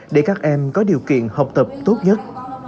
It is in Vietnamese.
để các em có điều kiện học tập tốt nhất